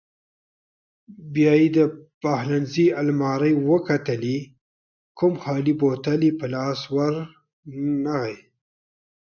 بیا یې د پخلنځي المارۍ وکتلې، کوم خالي بوتل یې په لاس ورنغی.